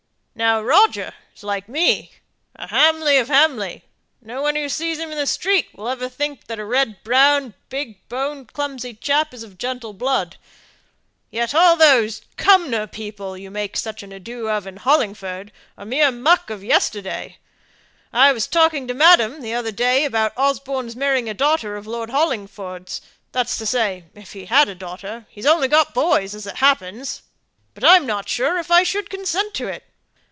Now, Roger is like me, a Hamley of Hamley, and no one who sees him in the street will ever think that red brown, big boned, clumsy chap is of gentle blood. Yet all those Cumnor people, you make such ado of in Hollingford, are mere muck of yesterday. I was talking to madam the other day about Osborne's marrying a daughter of Lord Hollingford's that's to say, if he had a daughter he's only got boys, as it happens; but I'm not sure if I should consent to it.